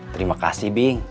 terima kasih bing